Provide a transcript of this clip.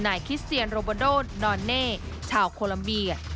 คิสเซียนโรบาโดนอนเน่ชาวโคลัมเบีย